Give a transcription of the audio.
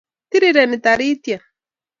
tirireni tarityet